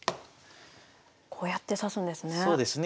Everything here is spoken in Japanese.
こうやって指すんですね。